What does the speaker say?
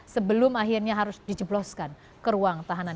sebelum akhirnya harus dijebloskan ke ruang tahanan